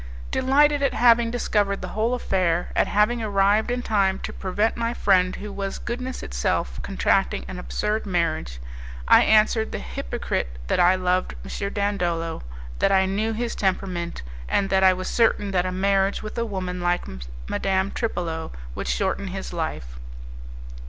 Delighted at having discovered the whole affair, at having arrived in time to prevent my friend who was goodness itself contracting an absurd marriage, I answered the hypocrite that I loved M. Dandolo, that I knew his temperament, and that I was certain that a marriage with a woman like Madame Tripolo would shorten his life.